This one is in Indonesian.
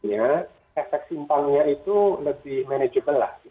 ya efek simpan nya itu lebih manageable lah